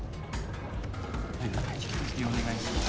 引き続きお願いします